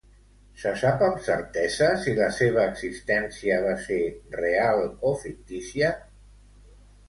Se sap amb certesa si la seva existència va ser real o fictícia?